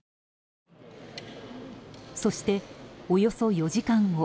そして、およそ４時間後。